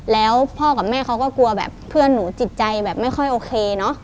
แล้วพ่อกับแม่เขาก็กลัวแบบเพื่อนหนูจิตใจแบบไม่ค่อยโอเคเนอะ